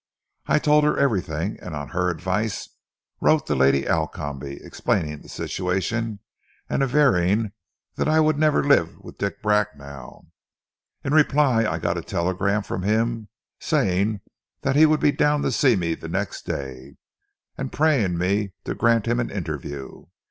I told her everything, and on her advice wrote to Lady Alcombe, explaining the situation, and averring that I would never live with Dick Bracknell. In reply I got a telegram from him saying that he would be down to see me the next day, and praying me to grant him an interview.